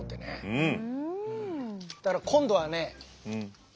うん。